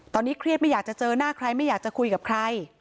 ตอนนี้เครียดไม่อยากจะเจอหน้าใครไม่อยากจะคุยกับใคร